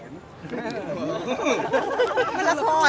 หน้าราคอนปะ